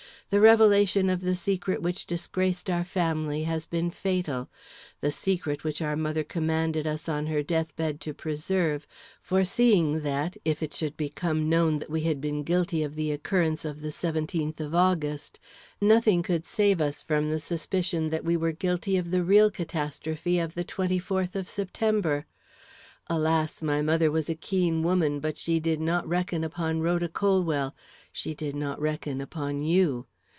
The revelation of the secret which disgraced our family has been fatal; the secret which our mother commanded us on her death bed to preserve, foreseeing that, if it should become known that we had been guilty of the occurrence of the seventeenth of August, nothing could save us from the suspicion that we were guilty of the real catastrophe of the twenty fourth of September. Alas! my mother was a keen woman, but she did not reckon upon Rhoda Colwell; she did not reckon upon you.